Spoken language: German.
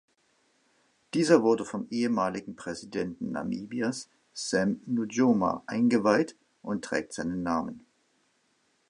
Dieser wurde vom ehemaligen Präsidenten Namibias Sam Nujoma eingeweiht und trägt seinen Namen.